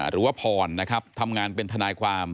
หรือว่าพรนะครับทำงานเป็นทนายความ